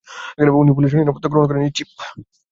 উনি পুলিশি নিরাপত্তা গ্রহণ করেননি, চীফ।